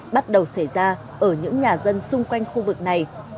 bắt đầu xảy ra ở những nhà dân xung quanh khu vực này